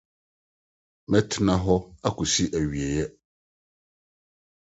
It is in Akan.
Mɛtena hɔ akosi awiei.